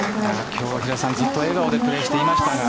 今日ずっと笑顔でプレーしていましたが。